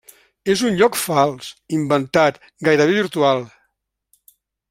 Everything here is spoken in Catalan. És un lloc fals, inventat, gairebé virtual.